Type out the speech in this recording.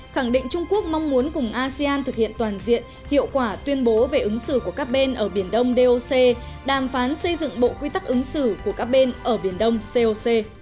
khẳng định trung quốc mong muốn cùng asean thực hiện toàn diện hiệu quả tuyên bố về ứng xử của các bên ở biển đông doc đàm phán xây dựng bộ quy tắc ứng xử của các bên ở biển đông coc